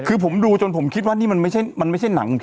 คือผมดูจนผมคิดว่านี่มันไม่ใช่หนัง